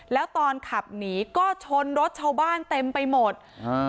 แล้วตอนขับหนีก็ชนรถชาวบ้านเต็มไปหมดอ่า